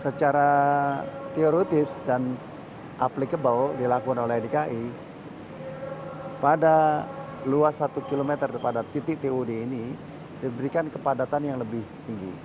secara teoretis dan applicable dilakukan oleh dki pada luas satu km pada titik tod ini diberikan kepadatan yang lebih tinggi